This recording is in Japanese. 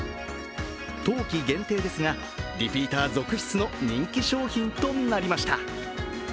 冬季限定ですが、リピーター続出の人気商品となりました。